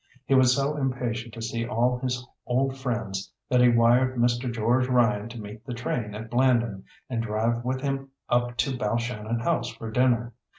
He was so impatient to see all his old friends that he wired Mr. George Ryan to meet the train at Blandon, and drive with him up to Balshannon House for dinner.